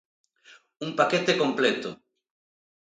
Un paquete completo.